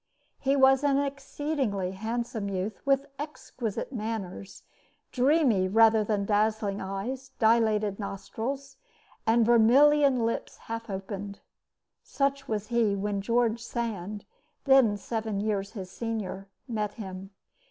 He was an exceedingly handsome youth, with exquisite manners, "dreamy rather than dazzling eyes, dilated nostrils, and vermilion lips half opened." Such was he when George Sand, then seven years his senior, met him.